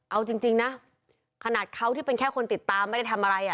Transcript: เอาจริงนะขนาดเขาที่เป็นแค่คนติดตามไม่ได้ทำอะไร